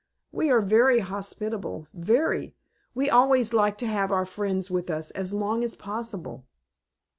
We are very hospitable, very. We always like to have our friends with us as long as possible."